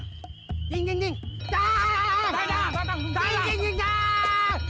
aku juga nggak tau